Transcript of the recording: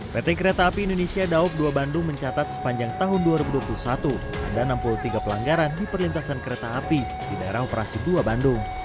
pt kereta api indonesia daup dua bandung mencatat sepanjang tahun dua ribu dua puluh satu ada enam puluh tiga pelanggaran di perlintasan kereta api di daerah operasi dua bandung